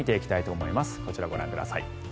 こちらをご覧ください。